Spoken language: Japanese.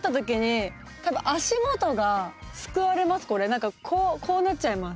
何かこうこうなっちゃいます。